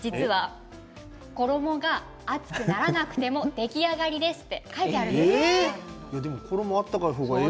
衣が熱くならなくても出来上がりですと書いてあります。